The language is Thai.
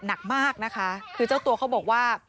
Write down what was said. หนักมากนะคะคือเจ้าตัวเขาบอกว่า